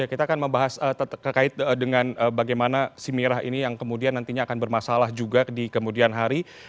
kita akan membahas terkait dengan bagaimana si mirah ini yang kemudian nantinya akan bermasalah juga di kemudian hari